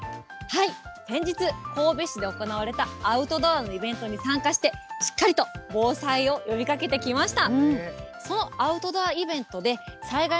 先日、神戸市で行われたアウトドアのイベントに参加して、しっかりと防災を呼びかけてきました。